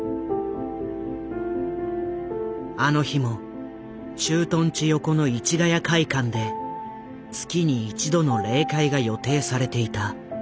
あの日も駐屯地横の市ヶ谷会館で月に１度の例会が予定されていた。